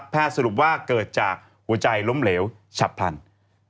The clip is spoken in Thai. สรุปว่าเกิดจากหัวใจล้มเหลวฉับพันธุ์